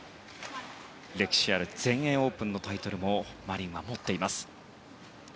歴史ある全英オープンのタイトルもマリンは持っています。